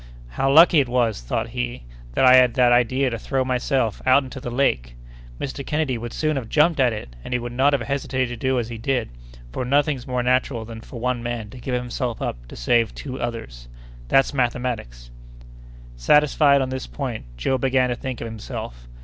"How lucky it was," thought he, "that I had that idea to throw myself out into the lake! Mr. Kennedy would soon have jumped at it, and he would not have hesitated to do as I did, for nothing's more natural than for one man to give himself up to save two others. That's mathematics!" Satisfied on this point, Joe began to think of himself.